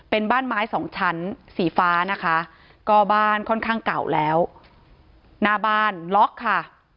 เป็นบ้านไม้สองชั้นสีฟ้านะคะก็บ้านค่อนข้างเก่าแล้วหน้าบ้านล็อกค่ะ